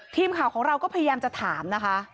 ทีมข่าวของเราก็พยายามจะถามนะคะ